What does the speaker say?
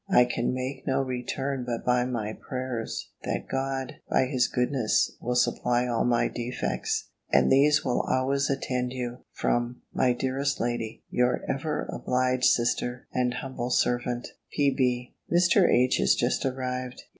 I can make no return but by my prayers, that God, by his goodness, will supply all my defects. And these will always attend you, from, my dearest lady, your ever obliged sister, and humble servant, P.B. Mr. H. is just arrived.